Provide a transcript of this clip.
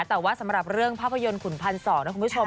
แต่ว่าสำหรับเรื่องภาพยนตร์ขุนพันธ์สองนะคุณผู้ชม